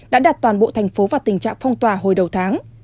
đã đạt toàn bộ thành phố vào tình trạng phong tòa hồi đầu tháng